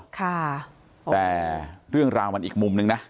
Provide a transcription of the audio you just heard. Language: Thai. ค่ะแต่เรื่องราวมันอีกมุมนึงนะ